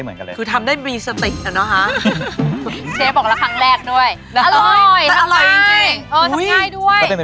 โอ้โหวันนี้เชฟเอ๋ใจดี